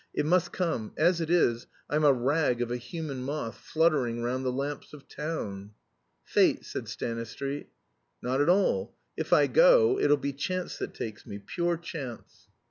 It must come. As it is, I'm a rag of a human moth fluttering round the lamps of town." "Fate," said Stanistreet. "Not at all. If I go, it'll be chance that takes me pure chance."